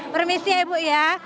permisi ya ibu ya